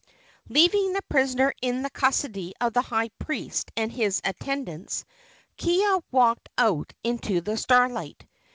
Leaving the prisoner in the custody of the high priest and his attendants, Kiha walked out into the starlight.